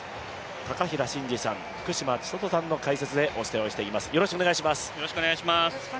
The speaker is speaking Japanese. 高平慎士さん、福島千里さんの解説でお伝えしています。